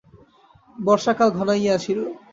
বর্ষাকাল ঘনাইয়া আসিল।